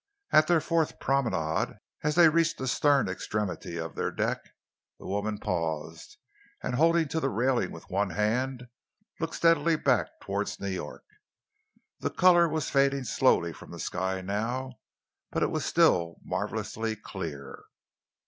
At their fourth promenade, as they reached the stern extremity of their deck, the woman paused, and, holding to the railing with one hand, looked steadily back towards New York. The colour was fading slowly from the sky now, but it was still marvellously clear.